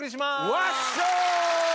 ワッショイ！